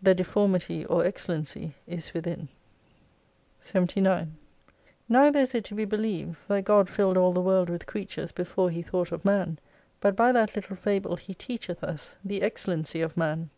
The deformity or excellency is within. 79 Neither is it to be believed, that God filled all the world with creatures before he thought of man : but by that little fable he teacheth us the excellency of man.